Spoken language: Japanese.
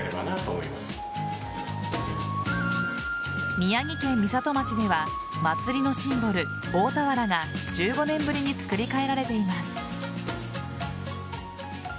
宮城県美里町では祭りのシンボル大俵が１５年ぶりに作り替えられています。